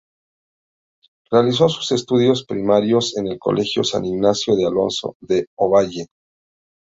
Realizó sus estudios primarios en el Colegio San Ignacio de Alonso de Ovalle.